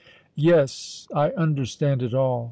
"Yes—I understand it all!"